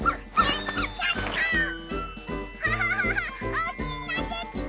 おおきいのできた！